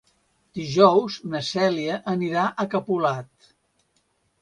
Dijous na Cèlia anirà a Capolat.